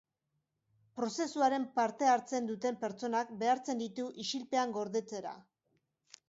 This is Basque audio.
Prozesuaren parte hartzen duten pertsonak behartzen ditu isilpean gordetzera